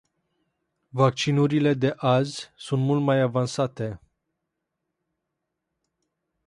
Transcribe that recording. Vaccinurile de azi sunt mult mai avansate.